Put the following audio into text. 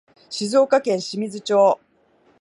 静岡県清水町